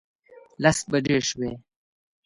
لس بجې شوې.